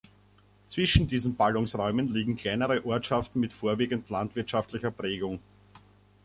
Zwischen diesen Ballungsräumen liegen kleinere Ortschaften mit vorwiegend landwirtschaftlicher Prägung.